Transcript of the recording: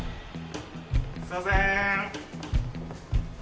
すいません。